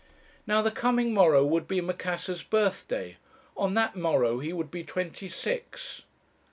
"Now the coming morrow would be Macassar's birthday. On that morrow he would be twenty six.